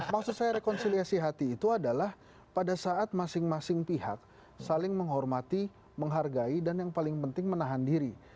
maksud saya rekonsiliasi hati itu adalah pada saat masing masing pihak saling menghormati menghargai dan yang paling penting menahan diri